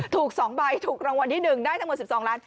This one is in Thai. ถูกสองใบถูกรางวัลที่หนึ่งได้ทั้งหมดสิบสองล้าน